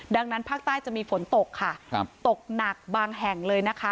ดังนั้นภาคใต้จะมีฝนตกค่ะตกหนักบางแห่งเลยนะคะ